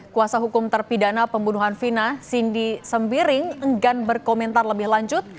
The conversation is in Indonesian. kuasa hukum terpidana pembunuhan vina cindy sembiring enggan berkomentar lebih lanjut